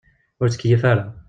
Ur ttkeyyif ara.